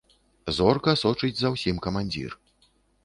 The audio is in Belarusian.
Зорка сочыць за ўсім камандзір.